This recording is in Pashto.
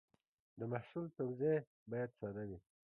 د محصول توضیح باید ساده وي.